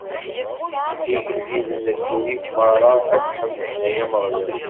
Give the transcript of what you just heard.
Igelliden n ddunit merra ad k-ḥemden, ay Ameɣlal.